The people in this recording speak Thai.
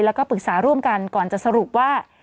แล้วก็ปรึกษาร่วมกันก่อนจะสรุปว่า